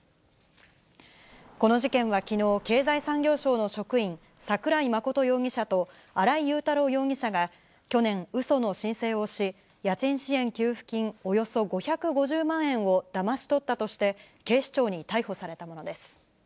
この事件はきのう、経済産業省の職員、桜井真容疑者と、新井雄太郎容疑者が去年、うその申請をし、家賃支援給付金およそ５５０万円をだまし取ったとして、警視庁に逮捕されたものです。